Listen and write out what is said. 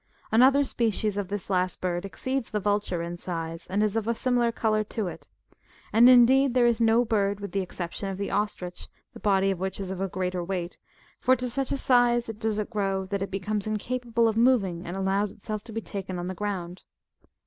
Another species^* of this last bird exceeds the vulture in size, and is of a similar colour to it ; and, indeed, there is no bird, with the exception of the ostrich, the body of which is of a greater weight ; for to such a size does it grow, that it becomes incapable of moving, and allows itself to be taken on the ground.